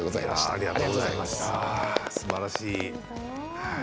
すばらしい。